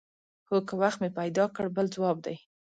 هو که وخت مې پیدا کړ بل ځواب دی.